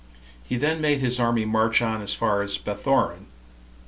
He then made his army march on as far as Bethoron.